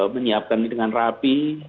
menyiapkan dengan rapi